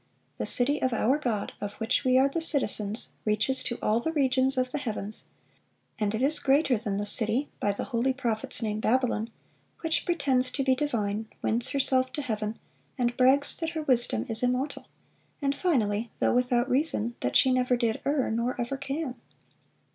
The city of our God, of which we are the citizens, reaches to all the regions of the heavens; and it is greater than the city, by the holy prophets named Babylon, which pretends to be divine, wins herself to heaven, and brags that her wisdom is immortal; and finally, though without reason, that she never did err, nor ever can."